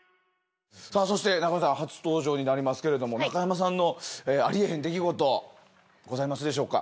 さぁそして中山さん初登場になりますけれども中山さんのありえへん出来事ございますでしょうか？